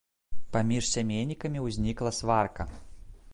Паміж сямейнікамі ўзнікла сварка.